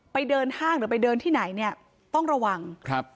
เดินห้างหรือไปเดินที่ไหนเนี่ยต้องระวังครับ